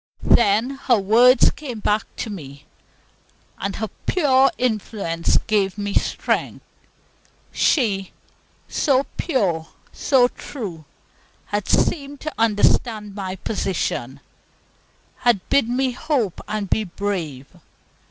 Then her words came back to me, and her pure influence gave me strength. She, so pure, so true, had seemed to understand my position, had bid me hope and be brave.